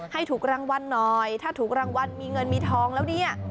ให้ถูกรางวัลหน่อยถ้าถูกรางวัลมีเงินมีทองแล้วเนี่ย